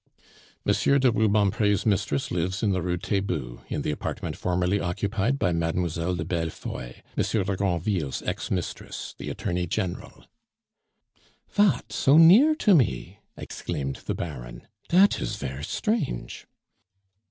"Monsieur de Rubempre's mistress lives in the Rue Taitbout, in the apartment formerly occupied by Mademoiselle de Bellefeuille, M. de Granville's ex mistress the Attorney General " "Vat, so near to me?" exclaimed the Baron. "Dat is ver' strange."